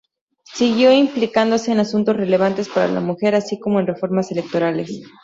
Siguió implicándose en asuntos relevantes para la mujer, así como en reformas electorales.